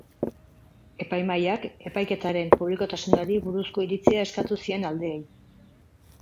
Epaimahaiak epaiketaren publikotasunari buruzko iritzia eskatu zien aldeei.